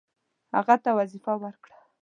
هغه ته وظیفه ورکړه.